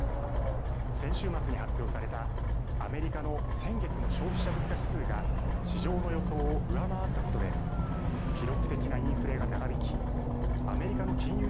先週末に発表されたアメリカの先月の消費者物価指数が市場の予想を上回ったことで記録的なインフレが長引きアメリカの金融